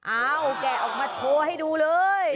อ้าวแกออกมาโชว์ให้ดูเลย